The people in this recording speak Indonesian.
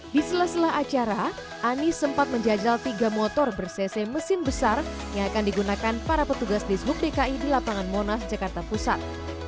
di sela sela acara anies sempat menjajal tiga motor bersese mesin besar yang akan digunakan para petugas di sub dki di lapangan monas jakarta pusat